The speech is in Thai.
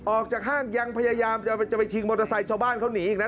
ออกจากห้างยังพยายามจะไปชิงมอเตอร์ไซค์ชาวบ้านเขาหนีอีกนะ